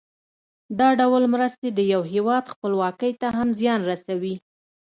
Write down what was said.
دا ډول مرستې د یو هېواد خپلواکۍ ته هم زیان رسوي.